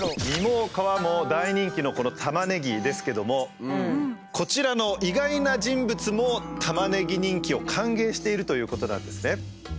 実も皮も大人気のこのタマネギですけどもこちらの意外な人物もタマネギ人気を歓迎しているということなんですね。